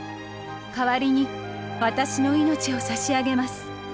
代わりに私の命を差し上げます」。